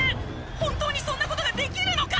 本当にそんな事ができるのか！？